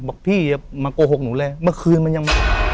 บอกพี่อย่ามาโกหกหนูเลยเมื่อคืนมันยัง